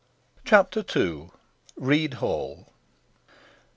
CHAPTER II. READ HALL.